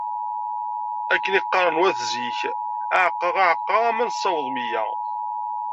Akken i t-qqaren wat zik:Aɛeqqa, aɛeqqa alamma nessaweḍ meyya.